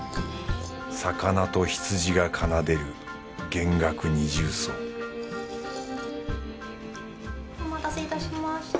魚と羊が奏でる弦楽二重奏お待たせいたしました。